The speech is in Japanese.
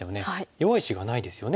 弱い石がないですよね。